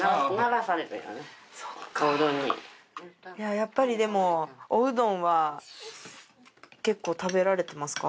やっぱりでもおうどんは結構食べられてますか？